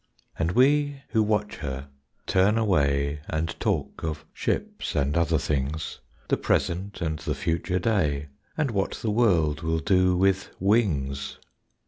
And we who watch her turn away And talk of ships and other things, The present and the future day, And what the world will do with wings.